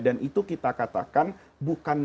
dan itu kita katakan bukan